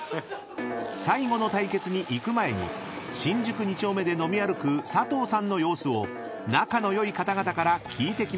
［最後の対決に行く前に新宿二丁目で飲み歩く佐藤さんの様子を仲の良い方々から聞いてきました題して］